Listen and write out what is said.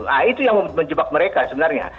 nah itu yang menjebak mereka sebenarnya